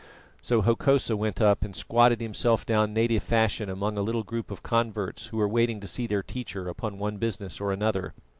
So Hokosa went up and squatted himself down native fashion among a little group of converts who were waiting to see their teacher upon one business or another.